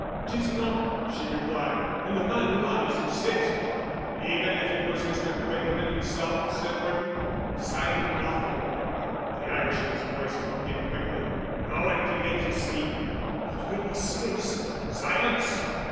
"It is not," she replied. "And the man lies who says it." "Even if it was Mr. Quinlevin himself?" said Horton. "Say nothing, Nora," the Irishman's voice broke in quickly. "No one can make you speak." "But when he says——" "Silence!"